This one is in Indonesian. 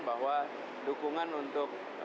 bahwa dukungan untuk